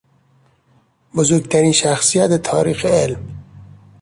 بزرگترین شخصیت تاریخ علم